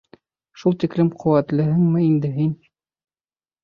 Шул тиклем ҡеүәтлеһеңме инде һин?